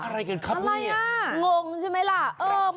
อะไรกันครับนี่อะไรน่ะงงใช่ไหมเอ่อ